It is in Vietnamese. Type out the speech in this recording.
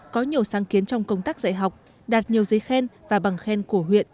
có nhiều sáng kiến trong công tác dạy học đạt nhiều giấy khen và bằng khen của huyện